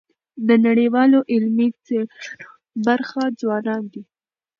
د نړیوالو علمي څيړنو برخه ځوانان دي.